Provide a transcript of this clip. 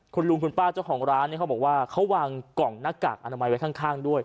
คุณลุงคุณป้าเจ้าของร้านเนี่ยเขาบอกว่าเขาวางกล่องหน้ากากอนามัยไว้ข้างด้วย